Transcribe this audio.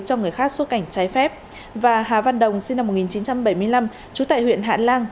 trong người khác suốt cảnh cháy phép và hà văn đồng sinh năm một nghìn chín trăm bảy mươi năm trú tại huyện hạ lăng